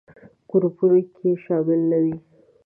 ګروپونو کې شامل نه وي.